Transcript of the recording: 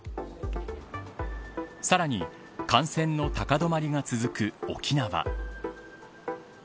さらに感染の高止まりが続く沖縄。